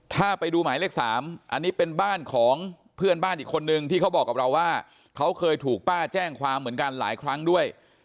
ถ้าไปดูหมายเลข๓อันนี้เป็นบ้านของเพื่อนบ้านอีกคนนึงที่เขาบอกกับเราว่าเขาเคยถูกป้าแจ้งความเหมือนกันหลายครั้งด้วย